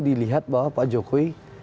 dilihat bahwa pak jokowi